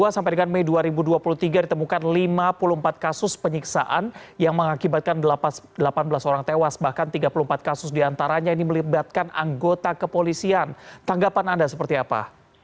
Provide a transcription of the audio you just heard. dua puluh sampai dengan mei dua ribu dua puluh tiga ditemukan lima puluh empat kasus penyiksaan yang mengakibatkan delapan belas orang tewas bahkan tiga puluh empat kasus diantaranya ini melibatkan anggota kepolisian tanggapan anda seperti apa